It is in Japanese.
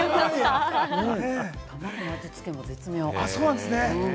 たまごの味付けも絶妙。